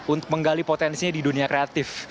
untuk menggali potensinya di dunia kreatif